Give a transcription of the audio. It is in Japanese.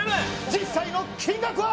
実際の金額は？